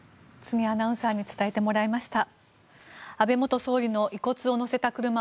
柘植アナウンサーに伝えてもらいました。